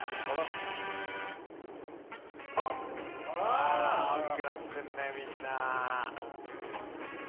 あぁ大きくなってんねみんな。